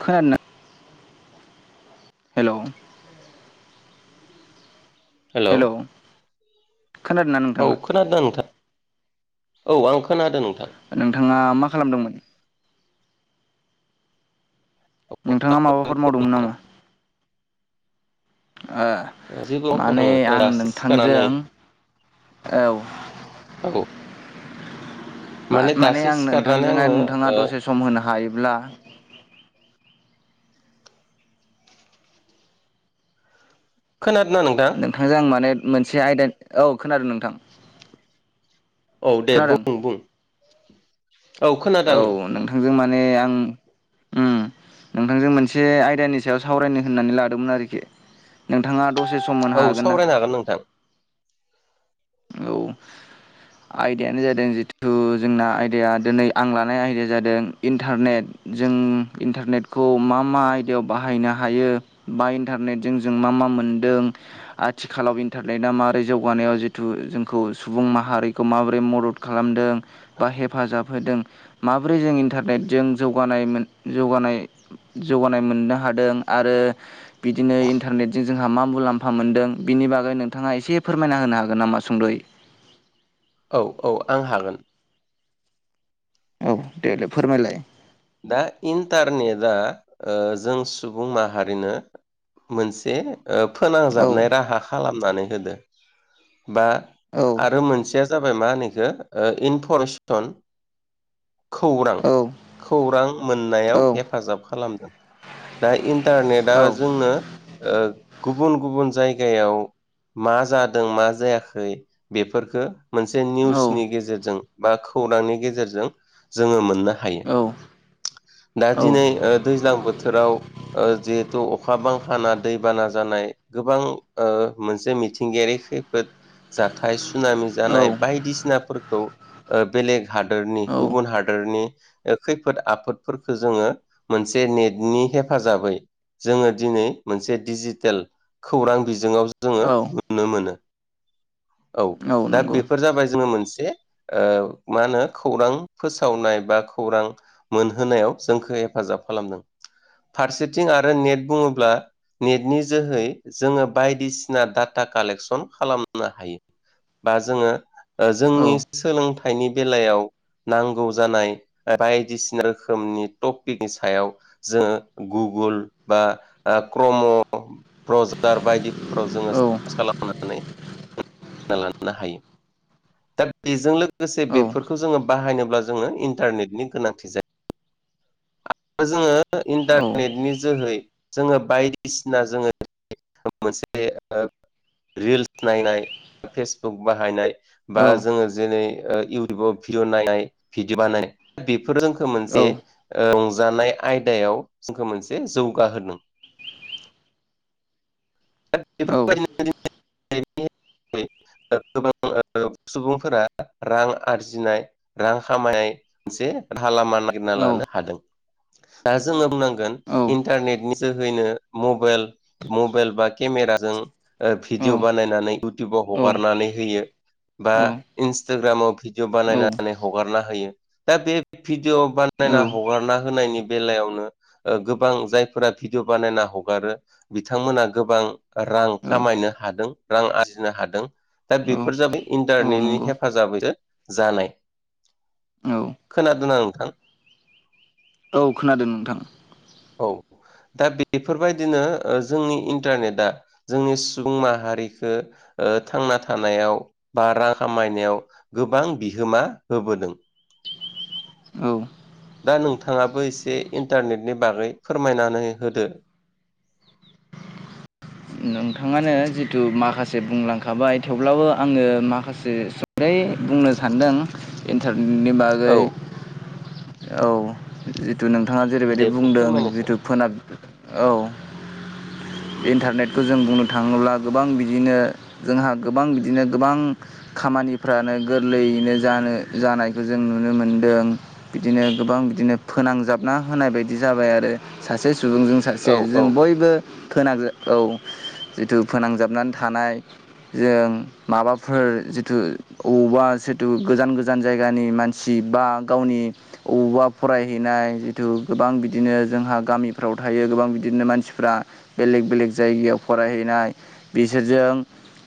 खोनादोंना? हेल हेलौ हेल औ खोनादों नोंथां। औ आं खोनादों नोंथां नोंथाङा मा खालामदोंमोन? नोंथाङा माबाफोर मावदोंमोन नामा? ओ जेबो मावथ'वाखै माने आङो आं दासो सिखारनानै नोंथांजों औ। औ माने माने-माने दासो आं सिखारनानै नोंथांजोंहाय आङो नोंथाङा ओ दसे सम होनो हायोब्ला खोनादों ना नोंथां? नोंथांजों आं माने मोनसे आयदा औ खोनादों नोंथां औ दे खोनादों बुं बुं औ खोनादों आङो। माने आं ओम नोंथांजों मोनसे आयदानि सायाव सावरायनो होननानै लादोंमोन आरोखि। नोंथाङा दसे सम होनो औ हागोन ना? सावरायनो हागोन नोंथां औ आयदायानो जादों जिथु जोंना आयदाया दिनै आं लानाय आयदाया जादों इन्टारनेट। जों इन्टारनेटखौ मा- मा आयदायाव बाहायनो हायो बा इन्टारनेटजों जों मा -मा मा मोनदों आथिखालाव इन्टारनेटआ मारै जौगानायाव जितु जोंखौ सुबुं माहारिखौ माबोरै मदद खालामदों बा हेफाजाब होदों माब्रै जों इन्टारनेटजों जौगानाय -जौगानाय- जौगानाय मोननो हादों आरो बिदिनो इन्टारनेटजों जोंहा मा मुलाम्फा मोनदों। बिनि बागै नोंथाङा एसे फोरमायना होनो हागोन नामा सुंदयै? औ औ आं हागोन। औ दे दे फोरमायलाय। दा इन्टारनेटआ ओ जों सुबुं माहारिनो मोनसे ओ औ फोनांजाबनाय राहा खालामनानै होदों बा औ आरो मोनसे जाबाय मा होनोखौ इनफरमेसन खौरां औ खौरां मोननायाव हेफाजाब खालामदों। दा इन्टारनेटआ औ जोंनो ओ गुबुन- गुबुन जायगायाव मा जादों मा जायाखै? बेफोरफोरखो मोनसे औ निउसनि गेजेरजों बा [unintelligible] खौरांनि गेजेरजों जोङो मोननो हायो। [unintelligible] दा दिनै ओ दैज्लां बोथोराव ओ जिहेथु अखा बांखाना दैबाना जानाय गोबां ओ मोनसे मिथिंगायारि खैफोद जाथाय सुनामि औ जानाय बायदिसिनाफोरखौ बेलेग हादोरनि, औ गुबुन हादोरनि खैफोद आफोदफोरखौ जोङो, मोनसे नेटनि हेफाजाबै जोङो दिनै मोनसे दिडिजिटेल खौरां बिजोंआव, जोङो नुनो मोनो। औ दा, बेफोर जाबाय जोङो मोनसे- मा होनो खौरां फोसावनाय बा खौरां मोनहोनायाव जोंखौ हेफाजाब खालामदों। फारसेथिं, आरो नेट बुङोब्ला, नेटनि जोहै जोङो बायदिसिना डाटा कालेकसन खालामनो हायो बा जोङो औ जोंनि सोलोंथाइनि बेलायाव नांगौ जानाय बायदिसिना रोखोमनि टपिकनि सायाव जोङो गुगोल बा क्रम' ब्रजार बायदिफोराव जोङो औ सार्च खालामनानै लानो हायो। दा बेजों लोगोसे औ बेफोरखौ जोङो बाहायनोब्ला जोङो इन्टारनेटनि गोनांथि जायो। जोङो औ इन्टारनेटनि जोहै जोङो बायदिसिना जोङो [unintelligible] मोनसे रिल्स नायनाय फेसबुक बाहायनाय बा औ जोङो जेरै इउटुबाव भिडिअ' नाय भिडिअ बानाय बेफोर जोंखो मोनसे जानाय आयदायाव जोंखौ मोनसे जौगा होदों। [unintelligible] औ गोबां सुबुंफोरा रां आरजिनाय रां खामायनाय मोनसे राहा लामा नागिरना लानो हादों। दा जोङो बुंनांगोन इन्टारनेटनि जोहैनो मबेल मबेल बा केमेराजों भिडिअ बानायनानै इउटुबाव हगारनानै होयो। बा इन्सटाग्रामाव भिडिअ' बानायनानै हगारना होयो दा बे भिडिअ यना हगारना होनायनि बेलायावनो गोबां जायफोरा भिडिय' बानायना हगारो बिथांमोना गोबां रां औ खामायनो हादों रां आरजिनो हादों। दा बेफोर औ जाबाय औ इन्टारनेटनि नंगौ हेफाजाबैजो जानाय औ खोनादोना नोंथां? औ खोनादों नोंथां। औ दा बेफोरबायदिनो जोंनि इनटारनेटआ जोंनि सुबुं माहारिखो थांना थानायाव बा रां खामाय नायाव गोबां बिहोमा होबोदों। औ दा नोंथाङाबो एसे इन्टारनेटनि बागै फोरमायनानै होदो। नों नोंथाङ जिथु माखासे बुंलांखाबाय थेवब्लाबो आङो माखासे सानदों इन्टारनेटनि बागै औ औ जिथु नोंथाङा जेरैबायदि दे बुंदों फोरमायनोसै जिथु फोनाब औ इन्टारनेटखौ जों बुं थाङोब्ला गोबां बिदिनो जोंहा गोबां बिदिनो गोबां खामानिफ्रानो गोरलै नो जानो जानायखौ जों नुनो मोनदों बिदिनो गोबां बिदिनो फोनांजाबना होनाय नाय बायदि जाबाय आरो सासे सुबुंजों सासे औ जों औ बयबो फोनां औ जिथु फोनांजाबनानै थानाय जों माबाफोर जिथु अबावबा जिथु गोजान गोजान जायगानि मानसि बा गावनि अबावबा फरायहैनाय जिथु गोबां बिदिनो जोंहा गामिफ्राव थायो गोबां बिदिनो मानसिफ्रा बेलेक बेलेग जायगायाव फरायहैनाय बिसोरजों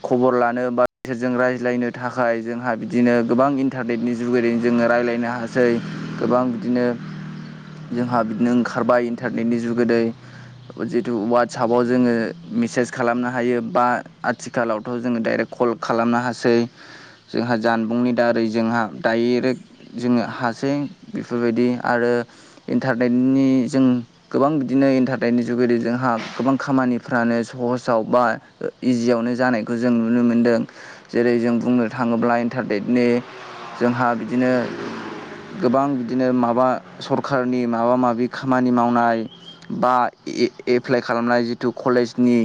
खबर लानो बा बिसोरजों रायज्लायनो थाखाय जोंहा बिदिनो गोबां इन्टारनेटनि जुगेदि जोङो रायज्लायनो हासै गोबां बिदिनो जोंहा बिदिनो ओंखारबाय इन्टारनेटनि जुगोदै जितु वाटसापआव जोङो मेसेज खालामनो हायो बा आथिखालावथ' जोङो डाइरेक्ट कल खालामनो हासै जोंहा जानबुंनि दारै जोंहा डायरेक्ट जोङो हासै बेफोरबायदि आरो इन्टारनेटनि जों गोबां बिदिनो इन्टारनेटनि जुगेदि जोंहा गोबां खामानि फानो सहसाव बा इजियावनो जानायखौ जों नुनो मोनदों जेरै जों बुंनो था थाङोब्ला इन्टारनेटनि जोंहा बिदिनो गोबां बिदिनो माबा सरखारनि माबा माबि खामानि माव नाइ बा ए एप्लाय खालामनाय जिथु कलेजनि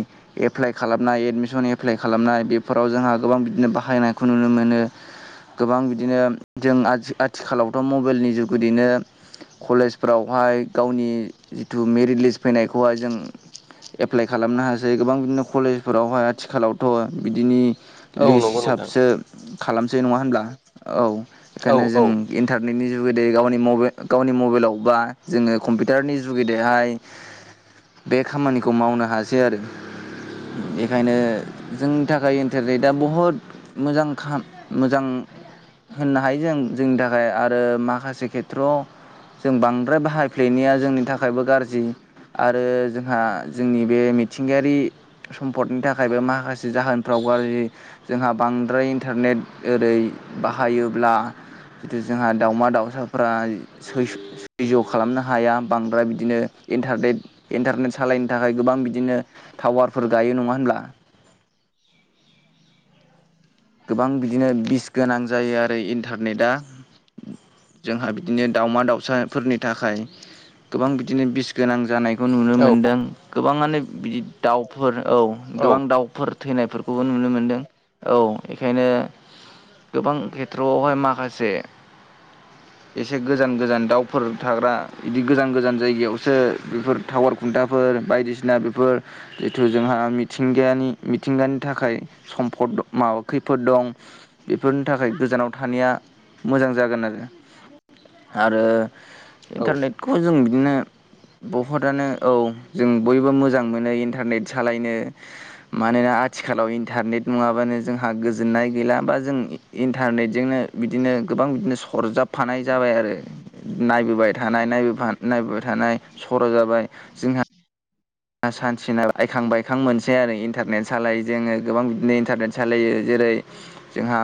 एप्लाइ खालामनाय एडमिसन एप्लाइ खालामनाय बेफोराव जोंहा गोबां बिदिनो बाहायनायखौ नुनो मोन नो। गोबां बिदिनो जों आथि-आथिखालावथ' मबाइलनि जुगदैनो कलेजफ्रावहाय गावनि जिथु मेरिट लिस्ट फैनायखौहाय जों एप्लाइ खालामनो हासै गोबां बिदिनो कलेजफोरावहाय आथिखालावथ' बिदिनि औ लिस्ट नंगौ नोंथां हिसाबसो खालामसै नङा होनब्ला औ औ बेखायनो जों औ इन्टारनेटनि जु गेदे गाव गावनि मबाइलाव बा जोङो कम्पिउटारनि जुगेदेहाय बे खामानिखौ मावनो हासै आरो बेखायनो जोंनि थाखाय इन्टारनेटआ बुहुत मोजां खाम मोजां होननो हायो जों जोंनि थाखाय आरो माखासे खेथ्रआव जों बांद्राय बाहायफ्लेनाया जोंनि थाखायबो गाज्रि आरो जोंहा जोंनि बे मिथिंगायारि सम्पदनि थाखायबो माखासे जाहोनफ्राव गाज्रि जोंहा बांसिन बांद्राय इन्टारनेट ओरै बाहायोब्ला जिथु जोंहा दाउमा दाउसाफ्रा सैज' खालामनो हाया बांद्राय बिदिनो इन्टारनेट इन्टारनेट सालायनो थाखाय गोबां बिदिनो टावारफोर गायो नङा होनब्ला गोबां बिदिनो बिस गोनां जायो आरो इन्टारनेटआ जोंहा बिदिनो दाावमा दाउसाफोरनि थाखाय गोबां बिदिनो बिस गोनां जानाय नुनो औ मोनदों गोबाङानो बिदि दाउफोर औ औ गोबां दाउफोर थैनायफोरखौबो नुनो मोन्दों औ बेखायनो गोबां खेथ्रआवहाय माखासे एसे गोजान गोजान दाउफोर थाग्रा बिदि गोजान गोजान जायगायावसो बेफोर टावार खुन्थाफोर बायदिसिना बेफोर जिथु जोंहा मिथिंगा मिथिंगानि थाखाय सम्पद माबा खैफोद दं बेफोरनि थाखाय गोजानाव थानाया मोजां जागोन आरो आरो औ इन्टारनेटखौ जों बिदिनो बुहुदनो औ जों बयबो मोजां मोनो इन्टारनेट सालायनो मानोना आथिखालाव इन्टारनेट नङाबानो जोंहा गोजोननाय गैला होमबा जों इन्टारनेटजोंनो बिदिनो गोबां बिदिनो सरजाबफानाय जाबाय आरो नायबोबाय थानाय नायबोबाय थानाय सर' जाबाय जोंहा सानसेना बायखां बायखां मोनसै आरो इन्टारनेट सालायो जोङो गोबां बिदिनो इन्टारनेट सालायो जों जेरै जोंहा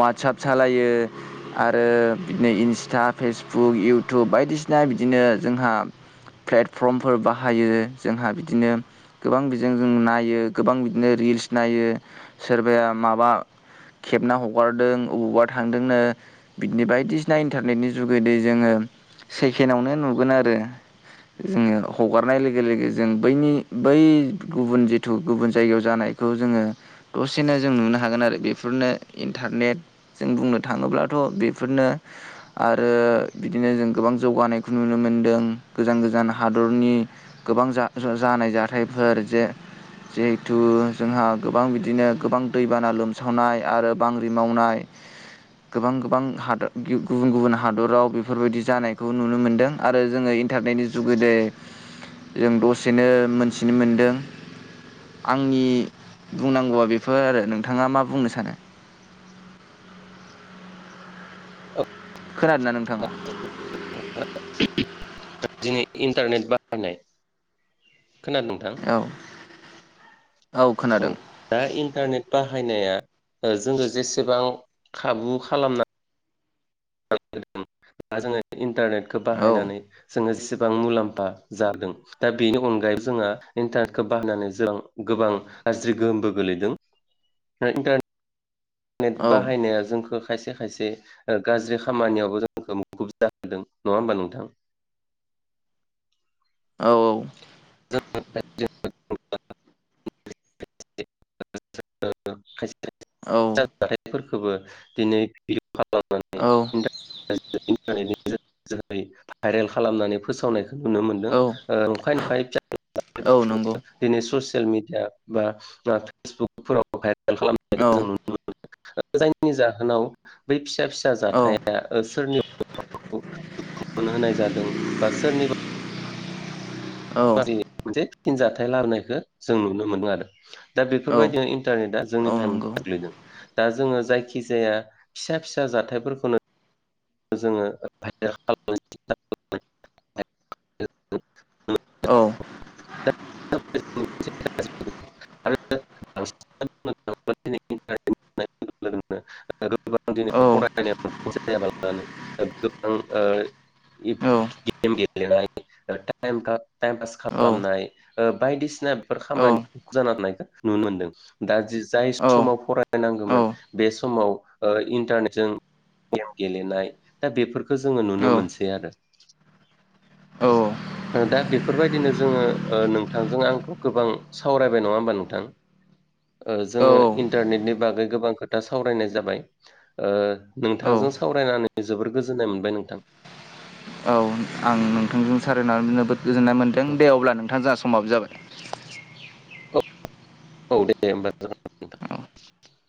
वाटसआप सालायो आरो बिदिनो इन्सटा फेसबुक इउटुब बायदिसिना बिदिनो जोंहा प्लेटफर्मफोर बाहायो। जोंहा बिदिनो गोबां बिजों जों नायो गोबां बिदिनो रिल्स नायो सोरबाया माबा खेबना हगारदों बबावबा थांदोंनो बिदिनो बायदिसिना इन्टारनेटनि जुगोदै जोङो सेकेडआवनो नुगोन आरो जोङो हगारनाय लोगो लोगो जों बैनि बै गुबुन जिथु गुबुन जायगायाव जानायखौ जोङो दसेनो जों नुनानै होन आरो बेफोरनो इन्टारनेट जों बुंनो थाङोब्लाथ' बेफोरनो आरो ओ बिदिनो जों गोबां जौगानायखौ नुनो मोनदों गोजान गोजान हादरनि गोबां जा जानाय जाथायफोर जे जिहेथु जोंहा गोबां बिदिनो गोबां दैबाना लोमसावनाय आरो बांग्रि मावनाय गोबां गोबां हादर गुबुन गुबुन हादराव बेफोरबायदि जानायखौ नुनो मोनदों आरो जोङो इन्टारनेटनि जुगेदे जों दस सेनो मोनथिनो मोनदों। आंनि बुंनांगौआ बेफोर आरो नोंथाङा मा बुंनो सानो खोनादोंना दा नोंथाङा दिनै इन्टारनेट बाहायनाय खोनादों नोंथां औ औ दा इन्टारनेट बाहायनाया जोङो जेसेबां खाबु खालामना [unintelligible] दा जोङो इन्टारनेटखौ औ बाहायनानै जोङो जसेबां मुलाम्फा जादों दा बेनि अनगायै जोंहा इन्टारनेटखौ बाहायनानै जों गो गोबां गाज्रि गोहोमबो गोलैदों आरो इनटार नेट औ बाहायनाया जोंखौ खायसे खायसे ओ गाज्रि खामानियावबो जोंखौ मुखुबजाहोदों नङा होमबा नोंथां [inaudible] औ औ जद [unintelligible] जाथायफोरखौबो दिनै भ खालाम [unintelligible] औ [unintelligible] टारनेतनि जोहै भाइरेल खालामनानै फोसावनायखौ नुनो मोनदों औ ओ फाइन फाइभ [unintelligible] औ नंगौ ससियेल मिडिया बा फेसबुकफोराव भाइरेल औ खालामनायखौ जों नुनो मोनो जायनि जाहोनाव बै फिसा फिसा औ जाथाया सोरनिब [inaudible] खा मोननो होनाय जादों बा सोरनिबा औ [unintelligible] मोनसे थिनजथायाइ लाबोनायखौ जों नुनो मोनो आरो दा औ बेफोरबायदिनो इन्टारनेटआ औ जोंनि टाइमाव नंगौ गोग्लैदों दा जोङो जायखि जाया फिसा फिसा जाथायफोरखौनो जोङो बाइेर [unintelligible] खालामस्था खालामो [unintelligible] [unintelligible] औ औ गोबां दिनै औ फरायनाय जायाबानो गोबां [unintelligible] औ गेम गेल [unintelligible] खालामनाय ओ बायदिसिना बेफोर खामानि जाननायखौ नुनो मोन्दों दा जि जाय औ समाव फरायनांगोमोन बे समाव ओ इन्टारनेटजों गेम गेलेनाय दा बेफोरखौ जोङो नुनो औ औ मोनसै आरो औ दा बेफोरबायदि दिनो जोङो ओ नोंथांजों आंखौ गोबां सावरायबाय नङा होमबा नोंथां ओ जोङो इन्टारनेटनि बागै गोबां खोथा सावरायनाय जाबाय ओ नोंथां जों जो सावरायनानै जोबोर गोजोन्नाय मोनबाय नोंथां औ आं नोंथांजों सारायनानै जोबोद गोजोननाय मोनदों दे अब्ला नोंथां जोंहा समाबो जाबाय औ देब औ [unintelligible]